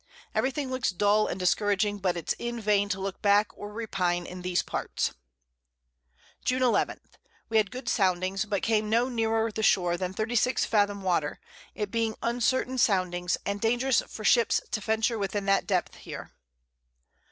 Every thing looks dull and discouraging, but it's in vain to look back or repine in these Parts. June 11. We had good Soundings, but came no nearer the Shore than 36 Fathom Water, it being uncertain Soundings, and dangerous for Ships to venture within that Depth here.